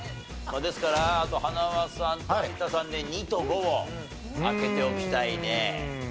ですからあと塙さんと有田さんで２と５を開けておきたいね。